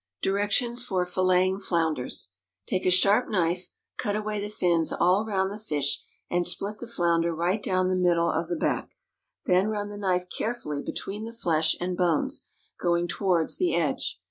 Directions for Filleting Flounders. Take a sharp knife, cut away the fins all round the fish, and split the flounder right down the middle of the back, then run the knife carefully between the flesh and bones, going towards the edge.